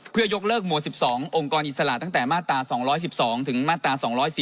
เพื่อยกเลิกหมวด๑๒องค์กรอิสระตั้งแต่มาตรา๒๑๒ถึงมาตรา๒๔๔